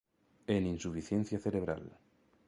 En insuficiencia cerebral.